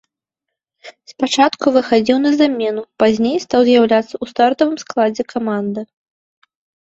Спачатку выхадзіў на замену, пазней стаў з'яўляцца ў стартавым складзе каманды.